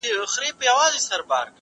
کتابونه لوستل کړه؟